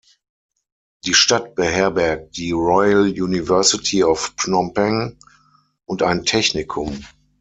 Die Stadt beherbergt die Royal University of Phnom Penh und ein Technikum.